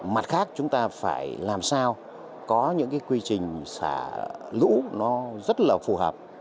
mặt khác chúng ta phải làm sao có những quy trình xả lũ nó rất là phù hợp